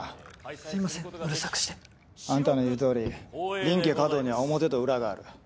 すいませんうるさくして。あんたの言うとおり林家華道には表と裏がある。